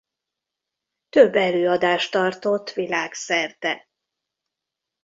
Több előadást tartott világszerte.